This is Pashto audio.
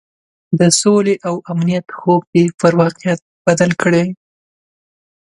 د سولې او امنیت خوب دې پر واقعیت بدل کړي.